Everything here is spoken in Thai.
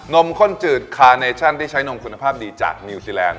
มข้นจืดคาเนชั่นที่ใช้นมคุณภาพดีจากนิวซีแลนด